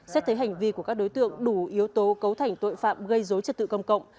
xét thấy hành vi của các đối tượng đủ yếu tố cấu thành tội phạm gây dối trật tự công cộng